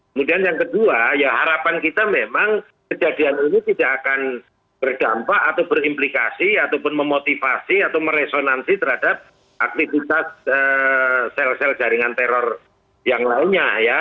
kemudian yang kedua ya harapan kita memang kejadian ini tidak akan berdampak atau berimplikasi ataupun memotivasi atau meresonansi terhadap aktivitas sel sel jaringan teror yang lainnya ya